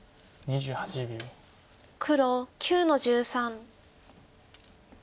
黒９の十三。